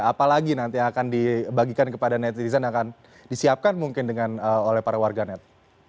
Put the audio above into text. apalagi nanti yang akan dibagikan kepada netizen yang akan disiapkan mungkin oleh para warganet